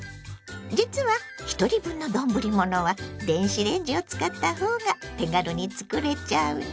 実はひとり分の丼ものは電子レンジを使ったほうが手軽に作れちゃうの。